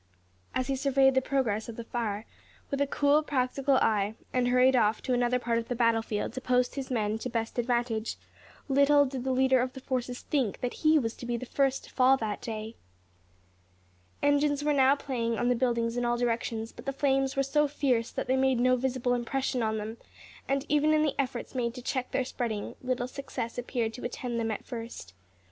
As he surveyed the progress of the fire, with a cool, practical eye, and hurried off to another part of the battle field to post his men to best advantage, little did the leader of the forces think that he was to be the first to fall that day! Engines were now playing on the buildings in all directions; but the flames were so fierce that they made no visible impression on them, and even in the efforts made to check their spreading, little success appeared to attend them at first.